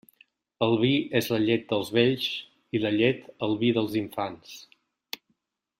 El vi és la llet dels vells, i la llet, el vi dels infants.